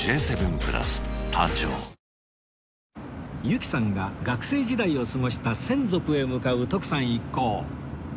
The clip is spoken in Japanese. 由紀さんが学生時代を過ごした洗足へ向かう徳さん一行